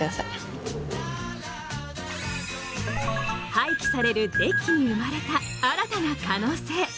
廃棄されるデッキに生まれた新たな可能性。